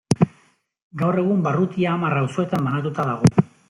Gaur egun barrutia hamar auzoetan banatua dago.